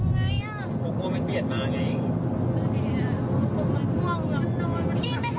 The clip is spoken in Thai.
เออมันนานเกิน